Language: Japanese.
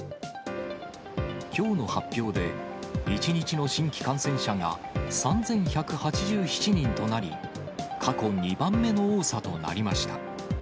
きょうの発表で、１日の新規感染者が３１８７人となり、過去２番目の多さとなりました。